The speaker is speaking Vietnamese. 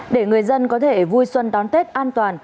để người dân có thể vui xuân đón tết an toàn